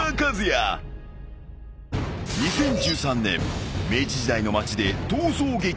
［２０１３年明治時代の街で逃走劇］